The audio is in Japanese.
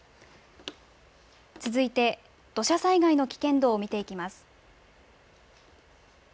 続いて、土砂災害の危険度を見ていきます。